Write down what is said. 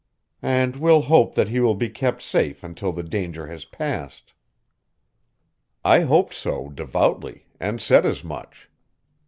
"And we'll hope that he will be kept safe until the danger has passed." I hoped so devoutly, and said as much.